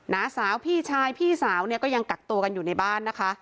น้าสาวพี่ชายพี่สาวเนี่ยก็ยังกักตัวกันอยู่ในบ้านนะคะ